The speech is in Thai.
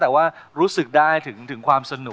เพราะคือความจริงเรื่องจริงที่จะปวดใจ